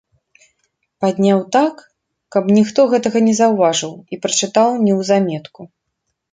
Падняў так, каб ніхто гэтага не заўважыў, і прачытаў неўзаметку.